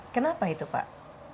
kenapa itu pak